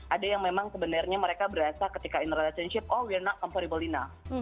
ada yang memang sebenarnya mereka berasa ketika in relationship oh we're not comfortable enough